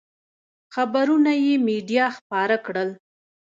خبرونه یې مېډیا خپاره کړل.